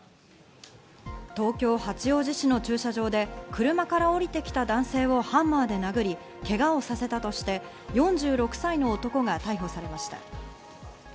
東京・八王子市の駐車場で車から降りてきた男性をハンマーで殴り、けがをさせたとして、４６歳の男が逮捕されました。